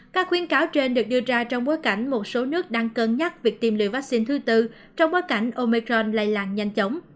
các khuyên cáo trên được đưa ra trong bối cảnh một số nước đang cân nhắc việc tiêm liệu vaccine thứ tư trong bối cảnh omicron lây làng nhanh chóng